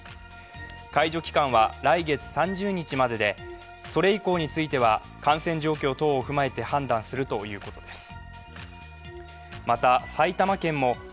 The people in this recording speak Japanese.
解除期間は来月３０日までで、それ以降については感染状況等を踏まえて判断するということです。